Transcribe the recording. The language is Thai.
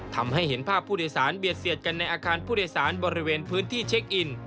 ทำให้เห็นภาพผู้โดยสารเบียดเสียดกันในอาคารผู้โดยสารบริเวณพื้นที่เช็คอิน